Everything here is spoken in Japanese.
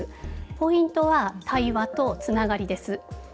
ポイントは対話とつながりです。